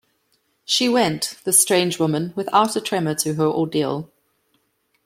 She went, the strange woman, without a tremor to her ordeal.